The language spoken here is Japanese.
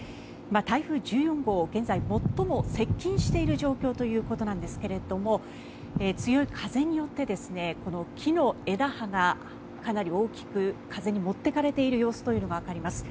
台風１４号現在、最も接近している状況ということですが強い風によってこの木の枝葉がかなり大きく風に持っていかれている様子というのがわかります。